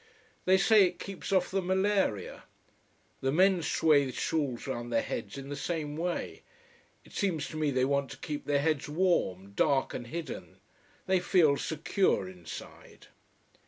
They say it keeps off the malaria. The men swathe shawls round their heads in the same way. It seems to me they want to keep their heads warm, dark and hidden: they feel secure inside.